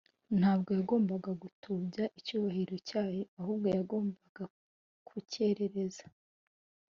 Ntabwo yagombaga gutubya icyubahiro cyayo, ahubwo yagombaga kucyerereza.